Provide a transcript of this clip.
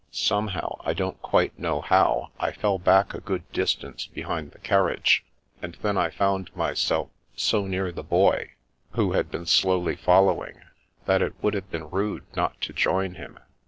Somehow, I don't quite know how, I fell back a good distance behind the carriage, and then I found myself so near the Boy, who had been slowly following, that it would have been rude not to join him.